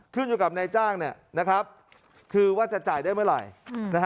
ขึ้นอยู่กับนายจ้างคือว่าจะจ่ายได้เมื่อไหร่